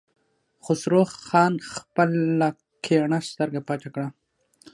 خسرو خان خپله کيڼه سترګه پټه کړه.